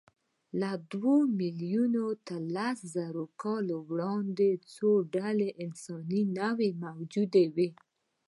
له دوو میلیونو تر لسزره کاله وړاندې څو ډوله انساني نوعې موجودې وې.